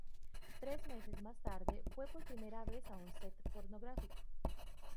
Tres meses más tarde, fue por primera vez a un set pornográfico.